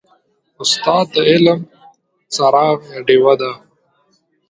استاد د علم څراغ دی.